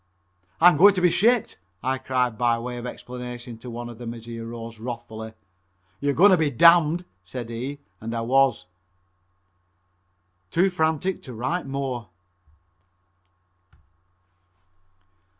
"I'm going to be shipped," I cried by way of explanation to one of them as he arose wrathfully. "You're going to be damned," said he, and I was. Too frantic to write more.